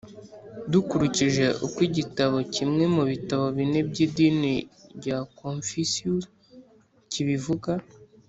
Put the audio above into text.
dukurikije uko igitabo kimwe mu bitabo bine by’idini rya confusius kibivug